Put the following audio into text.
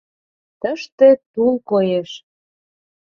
Тыште тул коеш.